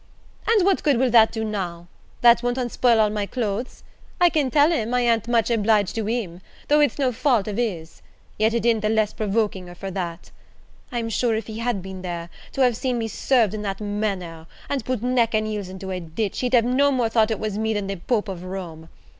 "And what good will that do now? that won't unspoil all my clothes; I can tell him, I a'n't much obliged to him, though it's no fault of his; yet it i'n't the less provokinger for that. I'm sure, if he had been there, to have seen me served in that manner, and put neck and heels into a ditch, he'd no more have thought it was me than the Pope of Rome.